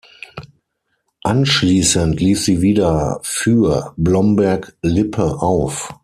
Anschließend lief sie wieder für Blomberg-Lippe auf.